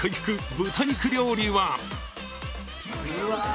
豚肉料理はうわ